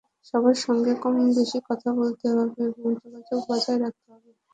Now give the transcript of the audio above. সবার সঙ্গে কম-বেশি কথা বলতে হবে এবং যোগাযোগ বজায় রাখতে হবে।